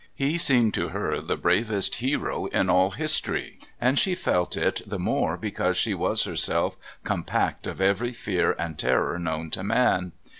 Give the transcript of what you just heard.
He seemed to her the bravest hero in all history, and she felt it the more because she was herself compact of every fear and terror known to man.